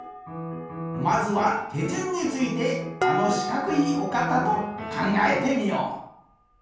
まずはてじゅんについてあのしかくいおかたとかんがえてみよう。